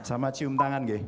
sama cium tangan g